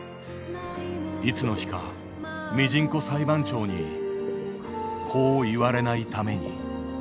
いつの日かミジンコ裁判長にこう言われないために。